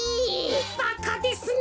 バカですね。